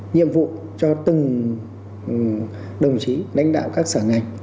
nhiệm vụ cho từng đồng chí lãnh đạo các sở ngành